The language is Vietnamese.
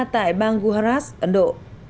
tại bang guharat ấn độ